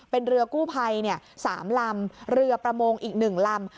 เป็นเรือกู้ภัย๓ลำเรือประมงอีก๑ลำ